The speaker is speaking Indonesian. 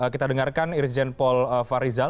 kita dengarkan irjen paul farizal